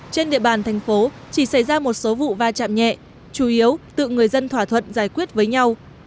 trên địa bàn thành phố chỉ xảy ra một số vụ va chạm nhẹ chủ yếu tự người dân thỏa thuận giải quyết với nhau